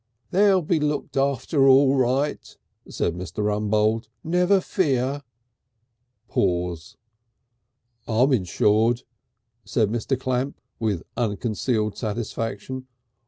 "They'll be looked after all right," said Mr. Rumbold. "Never fear." Pause. "I'm insured," said Mr. Clamp, with unconcealed satisfaction.